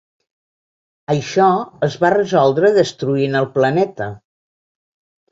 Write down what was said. Això es va resoldre destruint el planeta.